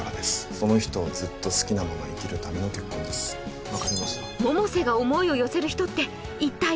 その人をずっと好きなまま生きるための結婚ですと大反響！